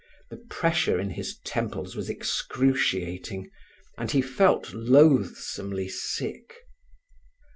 The pressure in his temples was excruciating, and he felt loathsomely sick.